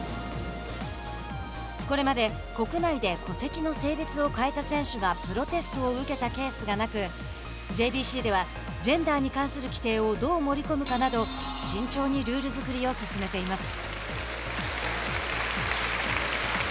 これまで国内で戸籍の性別を変えた選手がプロテストを受けたケースがなくＪＢＣではジェンダーに関する規定をどう盛り込むかなど慎重にルール作りを進めています。